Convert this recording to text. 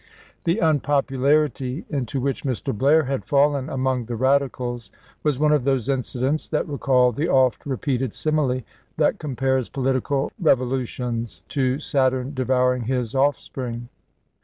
The unpopularity into which Mr. Blair had fallen among the Radicals was one of those incidents that recall the oft repeated simile that compares politi cal revolutions to Saturn devouring his offspring.